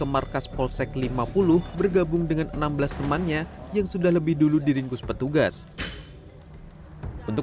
markas polsek lima puluh bergabung dengan enam belas temannya yang sudah lebih dulu diringkus petugas untuk